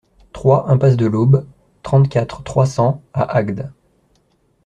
trois impasse de l'Aube, trente-quatre, trois cents à Agde